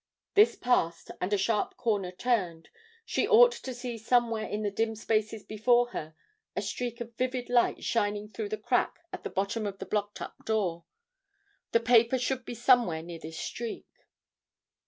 This passed, and a sharp corner turned, she ought to see somewhere in the dim spaces before her a streak of vivid light shining through the crack at the bottom of the blocked up door. The paper should be somewhere near this streak.